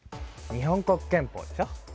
日本国憲法でしょ？